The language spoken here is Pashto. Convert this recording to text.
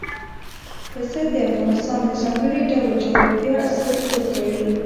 پسه د افغانستان د ځانګړي ډول جغرافیه استازیتوب کوي.